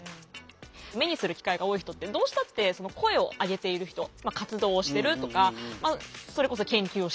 目にする機会が多い人ってどうしたって声を上げている人活動をしてるとかそれこそ研究をしてるとかの人じゃないですか。